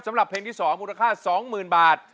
สำหรับเพลงที่๒มูลค่า๒๐๐๐บาท